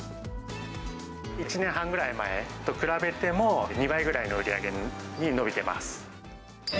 １年半ぐらい前と比べても、２倍ぐらいの売り上げに伸びています。